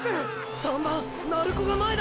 ３番鳴子が前だ！！